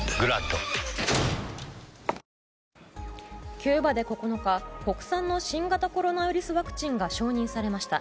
キューバで９日、国産の新型コロナウイルスワクチンが承認されました。